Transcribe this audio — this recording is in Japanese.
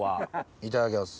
いただきます。